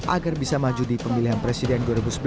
agar bisa maju di pemilihan presiden dua ribu sembilan belas